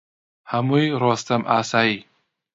هەمووی ڕۆستەم ئاسایی